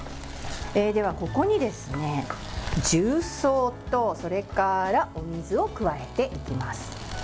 では、ここに重曹とそれから、お水を加えていきます。